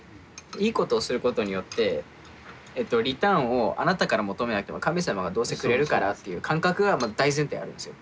いいことをすることによってリターンをあなたから求めなくても神様がどうせくれるからっていう感覚が大前提あるんですよ。